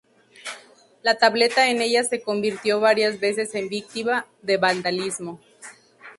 La tableta en ella se convirtió varias veces en víctima de vandalismo.